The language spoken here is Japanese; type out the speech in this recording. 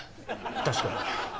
確かに。